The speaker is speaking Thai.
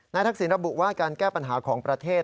ทักษิณระบุว่าการแก้ปัญหาของประเทศ